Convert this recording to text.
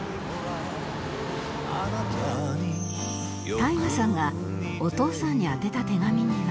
ＴＡＩＧＡ さんがお父さんに宛てた手紙には